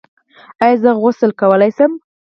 ایا زه غسل کولی شم؟